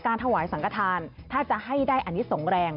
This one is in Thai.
ถวายสังขทานถ้าจะให้ได้อันนี้ส่งแรง